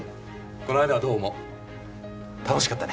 こないだはどうも楽しかったね